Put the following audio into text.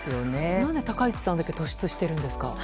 何で高市さんだけ突出しているんですか？